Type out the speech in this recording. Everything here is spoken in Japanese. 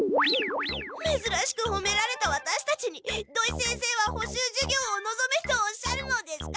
めずらしくほめられたワタシたちに土井先生は補習授業をのぞめとおっしゃるのですか？